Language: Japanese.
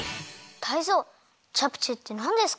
タイゾウチャプチェってなんですか？